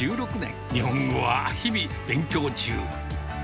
来日して１６年、日本語は日々勉強中。